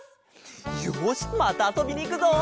よしまたあそびにいくぞ。